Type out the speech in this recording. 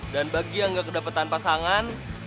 dan bagi yang gak kedapetan pasangan